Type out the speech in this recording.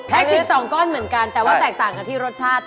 ๑๒ก้อนเหมือนกันแต่ว่าแตกต่างกันที่รสชาติ